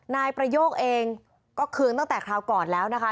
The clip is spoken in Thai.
นายประโยคเองก็คืนตั้งแต่คราวก่อนแล้วนะคะ